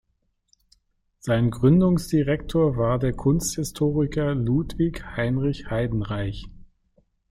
Sein Gründungsdirektor war der Kunsthistoriker Ludwig Heinrich Heydenreich.